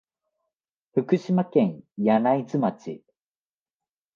福島県柳津町